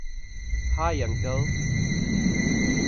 High, uncle!